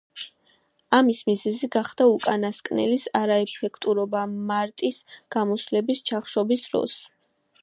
ამის მიზეზი გახდა უკანასკნელის არაეფექტურობა მარტის გამოსვლების ჩახშობის დროს.